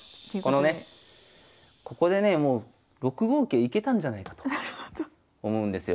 このねここでねもう６五桂いけたんじゃないかと思うんですよ。